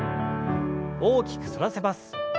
大きく反らせます。